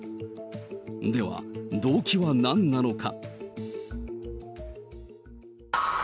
では、動機は何なのか。